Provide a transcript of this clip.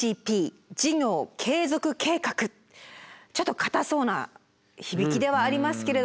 ちょっと堅そうな響きではありますけれども。